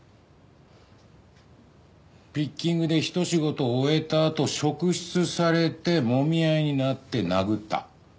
ピッキングでひと仕事終えたあと職質されてもみ合いになって殴った。